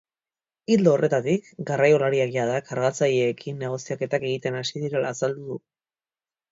Ildo horretatik, garraiolariak jada kargatzaileekin negoziaketak egiten hasi direla azaldu du.